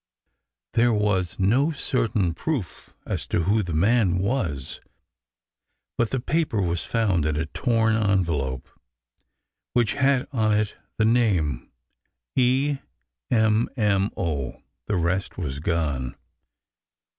There was no certain proof as to who the man was, but the paper was found in a torn envelop which had on it the name E m m o— the rest was gone.